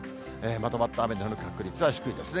まとまった雨の降る確率は低いですね。